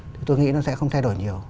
thì tôi nghĩ nó sẽ không thay đổi nhiều